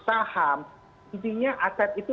saham intinya aset itu